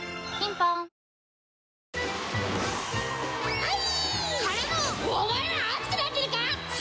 はい。